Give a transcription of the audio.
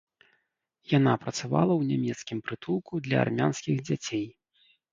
Яна працавала ў нямецкім прытулку для армянскіх дзяцей.